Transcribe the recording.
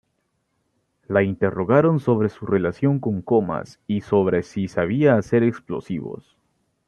La interrogaron sobre su relación con Comas y sobre si sabía hacer explosivos.